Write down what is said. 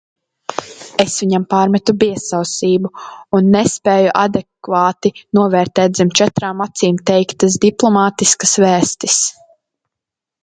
Es viņam pārmetu biezausību un nespēju adekvāti novērtēt zem četrām acīm teiktas diplomātiskas vēstis.